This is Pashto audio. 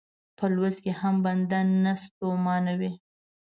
په لوست هم بنده نه ستومانوي.